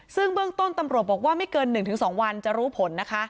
ซึ่งเบื้องต้นตำรวจบอกว่าไม่เกิน๑๒วันจะรู้ผลนะคะ